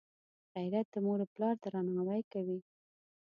غیرت د موروپلار درناوی کوي